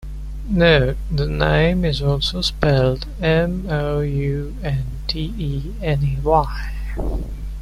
Note: The name is also spelled "Mountenay"